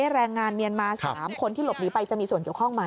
แรงงานเมียนมา๓คนที่หลบหนีไปจะมีส่วนเกี่ยวข้องไหม